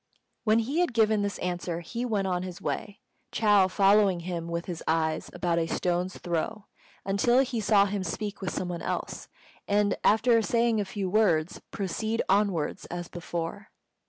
When he had given this answer he went on his way, Chou following him with his eyes about a stone's throw, until he saw him speak with some one else, and, after saying a few words, proceed onwards as before.